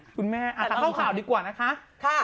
คุณแม่เข้าข่าวดีกว่านะคะ